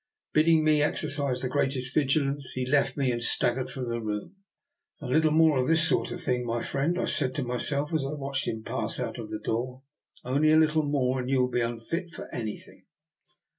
Bidding me exercise the greatest vigilance he left me and staggered from the room. " A little more of this sort of thing, my friend," I said to myself as I watched him pass out of the door, " only a little more, and you will be unfit for anything."